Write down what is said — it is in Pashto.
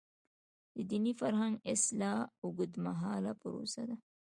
د دیني فرهنګ اصلاح اوږدمهاله پروسه ده.